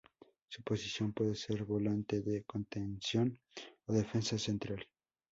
Su posición puede ser volante de contención o defensa central.